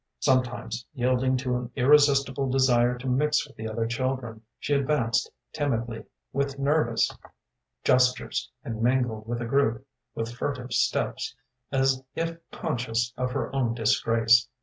Sometimes, yielding to an irresistible desire to mix with the other children, she advanced timidly, with nervous gestures, and mingled with a group, with furtive steps, as if conscious of her own disgrace.